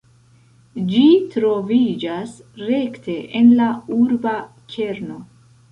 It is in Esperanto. Ĝi troviĝas rekte en la urba kerno.